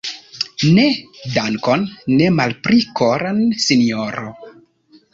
Ne, dankon ne malpli koran, sinjoro.